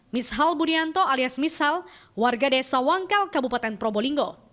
mishal budianto alias misal warga desa wangkal kabupaten probolinggo